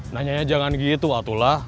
nanyanya jangan gitu atula